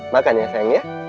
makan ya sayang